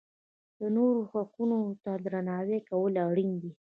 د نورو حقونو ته درناوی کول اړین دي.